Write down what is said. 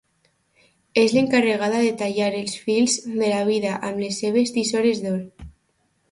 És l'encarregada de tallar els fils de la vida amb les seves tisores d’or.